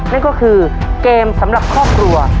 นั่นก็คือเกมสำหรับครอบครัว